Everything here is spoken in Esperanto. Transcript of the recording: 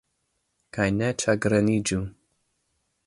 Kaj ne ĉagreniĝu.